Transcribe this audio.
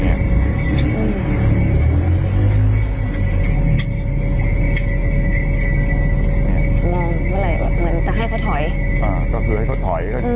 มองเมื่อไหร่แบบเหมือนจะให้เขาถอยอ่าก็คือให้เขาถอยก็คือ